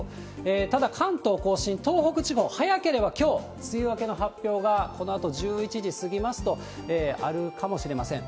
ただ、関東甲信、東北地方、早ければきょう、梅雨明けの発表がこのあと１１時過ぎますとあるかもしれません。